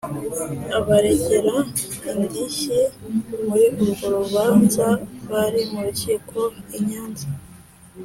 Abaregera indishyi muri urwo rubanza bari mu rukiko i Nyanza